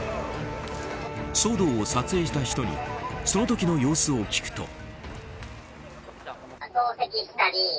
騒動を撮影した人にその時の様子を聞くと。